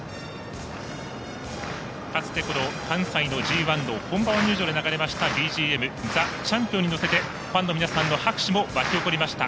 かつて、関西のＧＩの本馬場入場で流れましたＢＧＭ「ザ・チャンピオン」に乗せてファンの皆さんの拍手も沸き起こりました。